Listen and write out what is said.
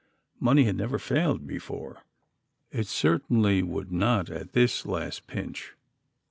Money had never failed before; it certainly would not at this last pinch.